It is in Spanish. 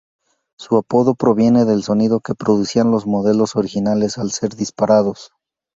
Su apodo proviene del sonido que producían los modelos originales al ser disparados.